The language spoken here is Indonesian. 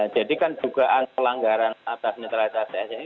jadi kan juga anggaran atas netral asn ini